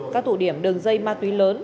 các tụ điểm đường dây ma túy lớn